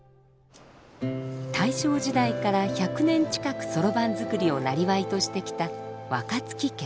大正時代から１００年近く算盤作りをなりわいとしてきた若槻家。